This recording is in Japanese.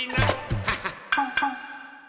ハハッ。